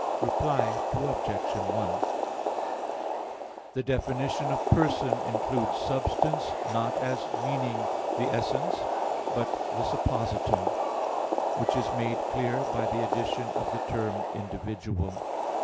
Reply Obj. 1: The definition of "person" includes "substance," not as meaning the essence, but the suppositum which is made clear by the addition of the term "individual."